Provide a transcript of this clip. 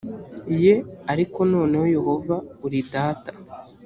ye ariko noneho yehova uri data